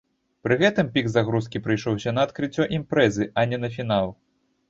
Пры гэтым пік загрузкі прыйшоўся на адкрыццё імпрэзы, а не на фінал.